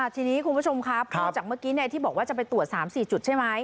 ทีนี้คุณผู้ชมครับพูดจากเมื่อกี้ที่บอกว่าจะไปตรวจ๓๔จุดใช่ไหม